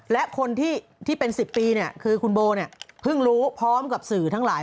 และคนที่เป็น๑๐ปีคือคุณโบเนี่ยเพิ่งรู้พร้อมกับสื่อทั้งหลาย